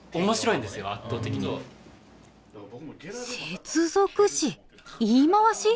接続詞⁉言い回し⁉